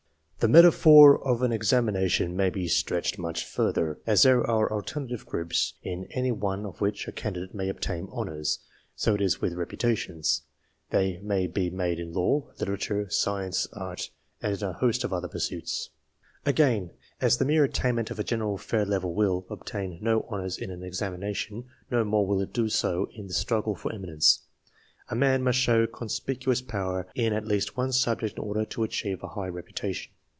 The metaphor of an examination may be stretched much further. As there are alternative groups in any one of which a candidate may obtain honours, so it is with repu tations they may be made in law, literature, science, art, and in a host of other pursuits. Again : as the mere attainment of a general fair level will obtain no honours in an examination, no more will it do so in the struggle for eminence. A man must show conspicuous power in at least one subject in order to achieve a high reputation.